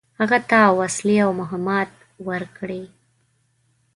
هغه ته وسلې او مهمات ورکړي.